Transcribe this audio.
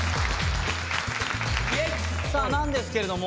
さあなんですけれども。